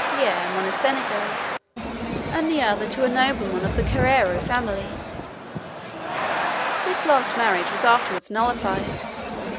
Pierre Moncenigo, and the other to a nobleman of the Carrero family. This last marriage was afterwards nullified.